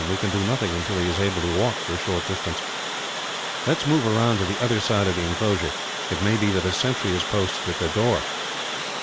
We can do nothing until he is able to walk for a short distance. "Let us move round to the other side of the inclosure. It may be that a sentry is posted at their door."